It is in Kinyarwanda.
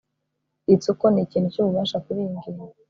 ritsuko nikintu cyububasha kuriyi ngingo